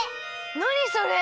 なにそれ！？